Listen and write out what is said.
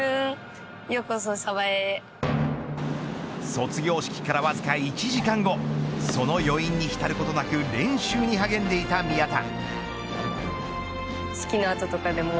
卒業式から、わずか１時間後その余韻に浸ることなく練習に励んでいた宮田。